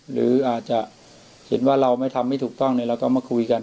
หรืออาจจะเห็นว่าเราไม่ทำไม่ถูกต้องเราก็มาคุยกัน